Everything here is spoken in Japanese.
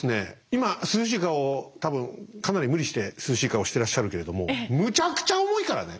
今涼しい顔多分かなり無理して涼しい顔してらっしゃるけれどもむちゃくちゃ重いからね！